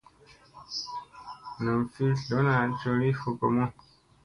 Nam fi dlona coli fokomu.